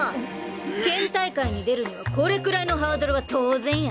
えっ⁉県大会に出るにはこれくらいのハードルは当然や。